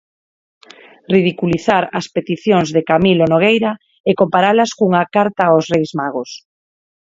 Ridiculizar as peticións de Camilo Nogueira e comparalas cunha "carta aos reis magos".